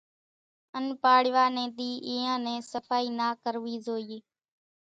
ان پاڙوا ني ۮي اينيان نين صڦائي نا ڪروي زوئي،